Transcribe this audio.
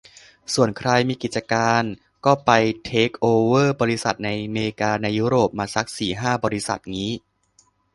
ส่วนใครมีกิจการก็ไปเทคโอเวอร์บริษัทในเมกาในยุโรปมาซักสี่ห้าบริษัทงี้